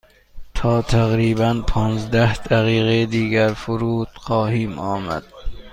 تا تقریبا پانزده دقیقه دیگر فرود خواهیم آمد.